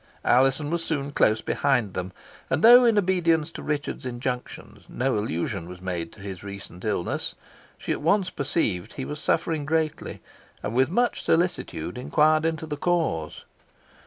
Alizon was soon close behind them, and though, in obedience to Richard's injunctions, no allusion was made to his recent illness, she at once perceived he was suffering greatly, and with much solicitude inquired into the cause.